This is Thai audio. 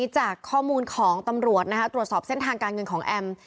จากข้อมูลของตำรวจตรวจสอบเส้นทางการเงินของแอม